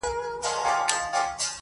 o شیخ ویله میکدې ته ځه جواز دی,